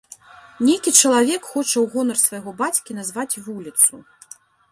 Нейкі чалавек хоча ў гонар свайго бацькі назваць вуліцу.